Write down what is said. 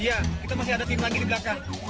iya kita masih ada tim lagi di belakang